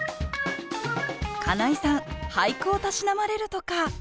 金井さん俳句をたしなまれるとか？